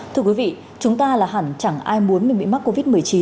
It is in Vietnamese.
thưa quý vị chúng ta là hẳn chẳng ai muốn mình bị mắc covid một mươi chín